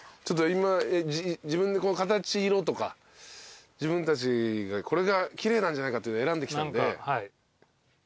ちょっと今自分で形色とか自分たちがこれが奇麗なんじゃないかっていうの選んできたんで。